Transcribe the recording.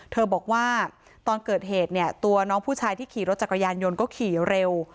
บอกว่าตอนเกิดเหตุเนี่ยตัวน้องผู้ชายที่ขี่รถจักรยานยนต์ก็ขี่เร็ว